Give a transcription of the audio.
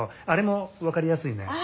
あれもわかりやすいね。